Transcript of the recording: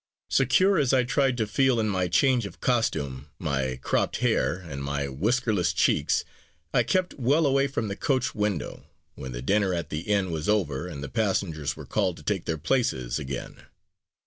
SECURE as I tried to feel in my change of costume, my cropped hair, and my whiskerless cheeks, I kept well away from the coach window, when the dinner at the inn was over and the passengers were called to take their places again.